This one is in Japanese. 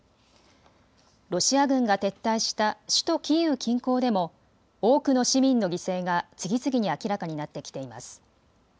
ロシア軍が撤退した首都キーウ近郊でも多くの市民の犠牲が次々に明らかになってきています。